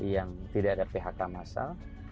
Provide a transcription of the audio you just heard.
yang tidak ada phk masal